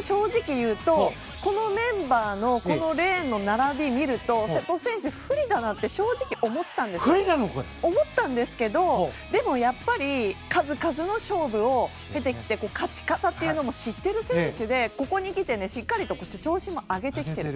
正直に言うとこのメンバーのこのレーンの並びを見ると瀬戸選手、不利だなって思ったんですけど、でもやっぱり数々の勝負を経てきて勝ち方を知っている選手でここにきて、しっかりと調子も上げてきている。